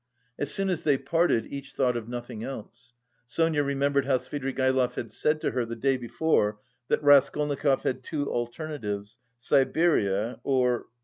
As soon as they parted, each thought of nothing else. Sonia remembered how Svidrigaïlov had said to her the day before that Raskolnikov had two alternatives Siberia or...